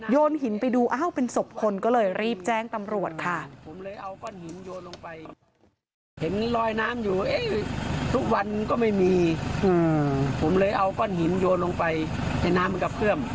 หินไปดูอ้าวเป็นศพคนก็เลยรีบแจ้งตำรวจค่ะ